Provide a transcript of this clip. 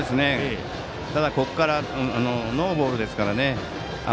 ただ、ここからノーボールですからね。